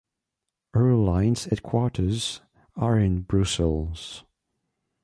Eurolines headquarters are in Brussels.